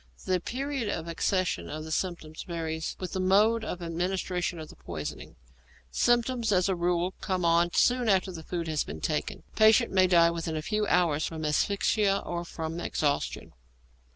The period of accession of the symptoms varies with the mode of administration of the poison. Symptoms, as a rule, come on soon after food has been taken. Patient may die within a few hours from asphyxia or from exhaustion.